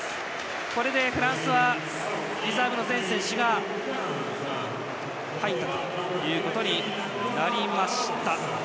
これでフランスはリザーブの全選手が入ったことになりました。